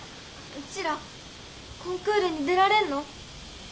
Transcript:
うちらコンクールに出られんの？